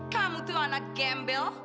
kamu tuh anak gembel